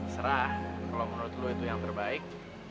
serah kalo menurut lo itu yang terbaik